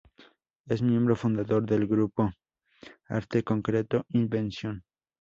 Es Miembro fundador del Grupo Arte Concreto-Invención.